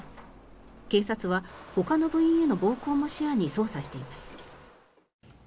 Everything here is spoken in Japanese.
警察はほかの部員への暴行も視野に、捜査しています。